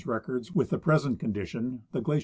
IVIalaspiua's records with the present condition, the glacier.